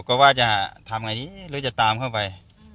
ก็ว่าจะทำไงดีหรือจะตามเข้าไป